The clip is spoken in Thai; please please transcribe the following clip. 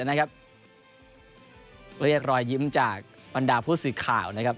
นะครับเรียกรอยยิ้มจากวันดาวพฤษิกข่าวนะครับ